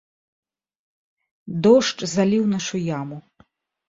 Дождж заліў нашу яму.